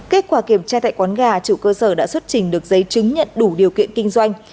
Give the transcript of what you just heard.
kết quả kiểm tra tại quán gà chủ cơ sở đã xuất trình được giấy chứng nhận đủ điều kiện kinh doanh